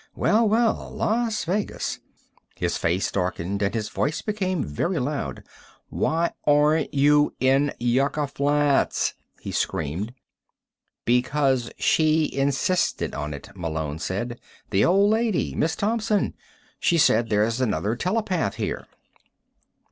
"Well, well. Las Vegas." His face darkened and his voice became very loud. "Why aren't you in Yucca Flats?" he screamed. "Because she insisted on it," Malone said. "The old lady. Miss Thompson. She says there's another telepath here."